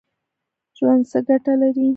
ژوند څه ګټه لري ؟